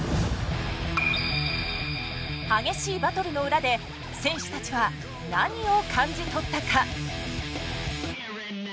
激しいバトルの裏で選手たちは何を感じ取ったか。